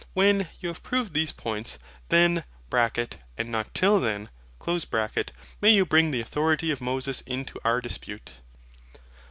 When you have proved these points, then (and not till then) may you bring the authority of Moses into our dispute.